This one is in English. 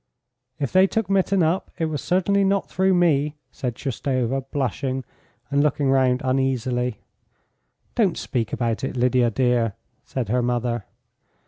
"If they took Mitin up it was certainly not through me," said Shoustova, blushing, and looking round uneasily. "Don't speak about it, Lydia dear," said her mother.